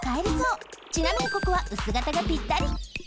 ちなみにここはうすがたがぴったり。